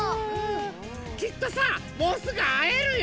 きっとさもうすぐあえるよ！